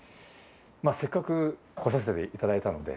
せっかく来させていただいたので。